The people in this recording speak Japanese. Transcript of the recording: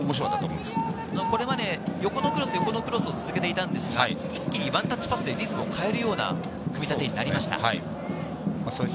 横のクロスを続けていたんですが、一気にワンタッチパスでリズムを変えるような組み立てになりました。